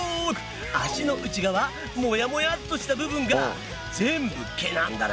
脚の内側モヤモヤっとした部分が全部毛なんだな。